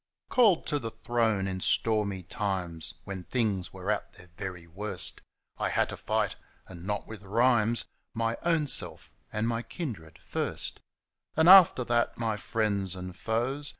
Called to the throne in stormy times, When things were at their very worst, I had to fight — and not with rhymes — My own self and my kindred first ; And after that my friends and foes.